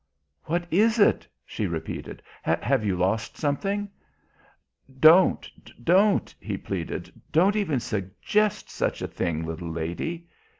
"What is it?" she repeated. "Have you lost something?" "Don't don't!" he pleaded. "Don't even suggest such a thing, little lady."